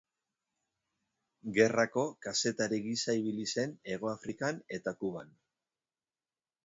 Gerrako kazetari gisa ibili zen Hegoafrikan eta Kuban.